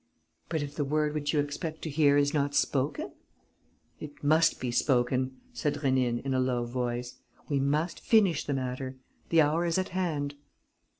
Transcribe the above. "But if the word which you expect to hear is not spoken?" "It must be spoken," said Rénine, in a low voice. "We must finish the matter. The hour is at hand."